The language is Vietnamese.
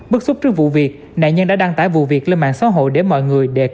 bất xúc trước vụ việc nạn nhân đã đăng tải vụ việc lên mạng xã hội để mọi người đề cao cảnh giác